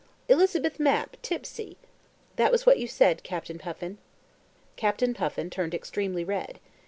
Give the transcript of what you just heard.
Elizabeth Mapp tipsy! That was what you said, Captain Puffin." Captain Puffin turned extremely red.